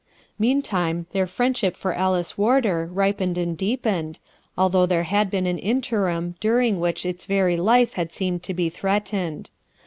Meantime their friendship for Alice Warder ripened and deepened, although there had been an interim during which, its very life had seemed to be threatened.